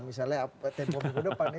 misalnya tempo minggu depan